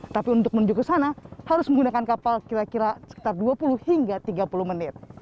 tapi untuk menuju ke sana harus menggunakan kapal kira kira sekitar dua puluh hingga tiga puluh menit